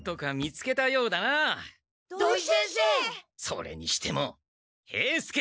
それにしても兵助！